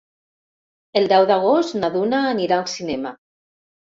El deu d'agost na Duna anirà al cinema.